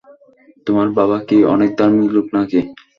তোমার বাবা কি অনেক ধার্মিক লোক নাকি?